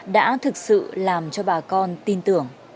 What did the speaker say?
đã thực sự làm cho bà con tin tưởng